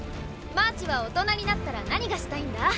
マーチは大人になったら何がしたいんだ？